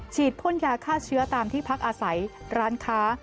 พ่นยาฆ่าเชื้อตามที่พักอาศัยร้านค้า